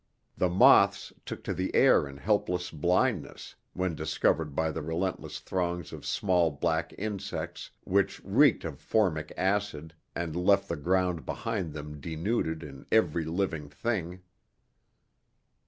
The moths took to the air in helpless blindness when discovered by the relentless throngs of small black insects which reeked of formic acid and left the ground behind them denuded in every living thing.